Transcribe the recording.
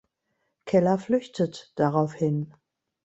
Keller flüchtet daraufhin.